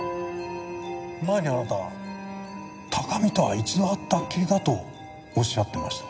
前にあなたは高見とは一度会ったっきりだとおっしゃってました。